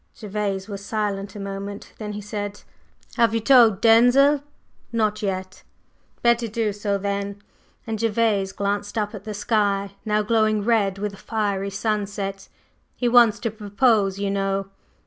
Gervase was silent a moment. Then he said: "Have you told Denzil?" "Not yet." "Better do so then," and Gervase glanced up at the sky, now glowing red with a fiery sunset. "He wants to propose, you know."